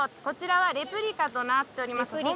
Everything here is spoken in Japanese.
こちらはレプリカとなっております。